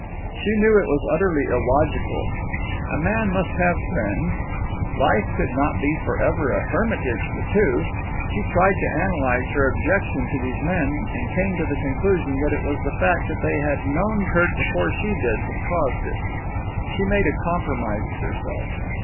She knew it was utterly illogical. A man must have friends. Life could not be forever a hermitage of two. She tried to analyse her objection to these men, and came to the conclusion that it was the fact that they had known Kirk before she did that caused it. She made a compromise with herself.